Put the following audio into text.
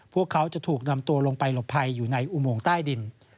พวกเขาจะถูกนำตัวลงไปหลบภัยอยู่ในอุโมงใต้ดิน